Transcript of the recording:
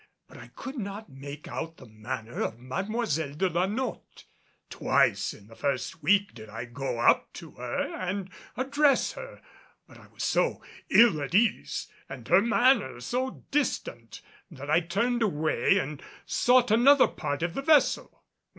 But I could not make out the manner of Mademoiselle de la Notte. Twice in the first week did I go up to her and address her, but I was so ill at ease and her manner so distant that I turned away and sought another part of the vessel.